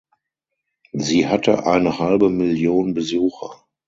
Sie hatte eine halbe Million Besucher.